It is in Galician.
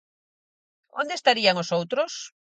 ¿Onde estarían os outros?